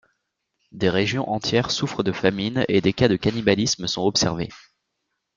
Des régions entières souffrent de famine, et des cas de cannibalisme sont observés.